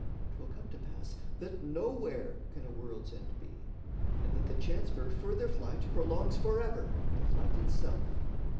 'Twill come to pass That nowhere can a world's end be, and that The chance for further flight prolongs forever The flight itself.